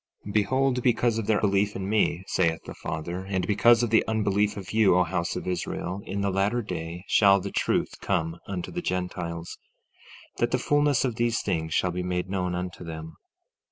16:7 Behold, because of their belief in me, saith the Father, and because of the unbelief of you, O house of Israel, in the latter day shall the truth come unto the Gentiles, that the fulness of these things shall be made known unto them.